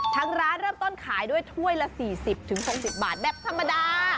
ทางร้านเริ่มต้นขายด้วยถ้วยละ๔๐๖๐บาทแบบธรรมดา